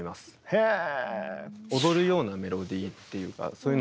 へえ。